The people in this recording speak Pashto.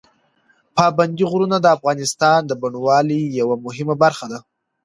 پابندي غرونه د افغانستان د بڼوالۍ یوه مهمه برخه ده.